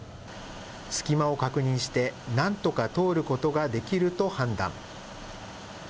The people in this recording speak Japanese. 隙間を確認して、なんとか通ることができると判断。